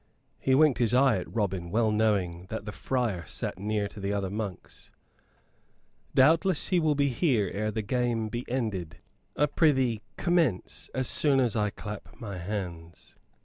He winked his eyes at Robin, well knowing that the friar sat near to the other monks. "Doubtless he will be here ere the game be ended," replied Robin, smiling. "I prithee commence soon as I clap my hands."